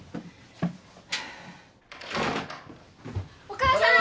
お母さん。